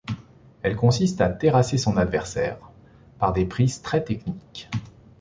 Elle consiste à terrasser son adversaire, par des prises très techniques.